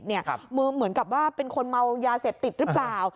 เกี่ยวด้วยว่าเป็นคนมัวยาเสบติดหรือเปล่า